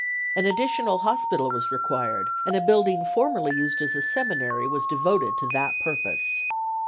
An additional hospital was required, and a building formerly used as a seminary was devoted to that purpose.